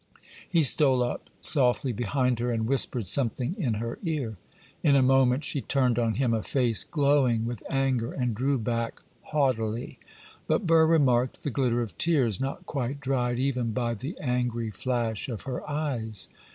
He stole up softly behind her, and whispered something in her ear. In a moment she turned on him a face glowing with anger, and drew back haughtily; but Burr remarked the glitter of tears, not quite dried even by the angry flash of her eyes.